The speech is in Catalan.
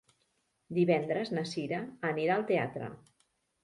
Divendres na Cira anirà al teatre.